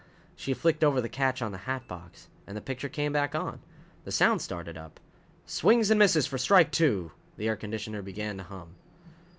She flicked over the catch on the hatbox. And the picture came back on. The sound started up. " swings and misses for strike two!" The air conditioner began to hum.